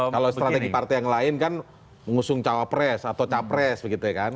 kalau strategi partai yang lain kan mengusung cawapres atau capres begitu ya kan